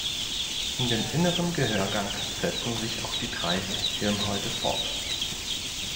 In den inneren Gehörgang setzen sich auch die drei Hirnhäute fort.